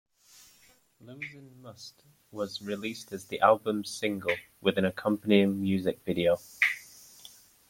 "Lozin' Must" was released as the album's single, with an accompanying music video.